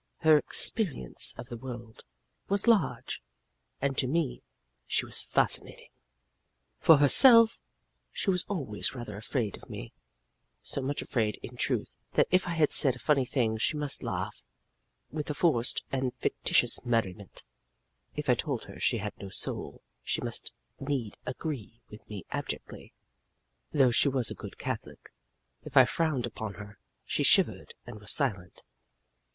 Her experience of the world was large, and to me she was fascinating. For herself, she was always rather afraid of me so much afraid, in truth, that if I said a funny thing she must need laugh with a forced and fictitious merriment; if I told her she had no soul, she must need agree with me abjectly, though she was a good Catholic; if I frowned upon her, she shivered and was silent.